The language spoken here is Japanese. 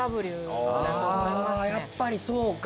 ああやっぱりそうか。